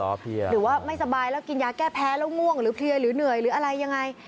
เพียหรือว่าไม่สบายแล้วกินยาแก้แพ้แล้วง่วงหรือเพลียหรือเหนื่อยหรืออะไรยังไง